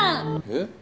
えっ？